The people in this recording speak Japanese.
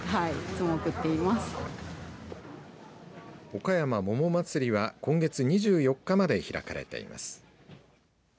おかやま桃祭りは今月２４日まで開かれています。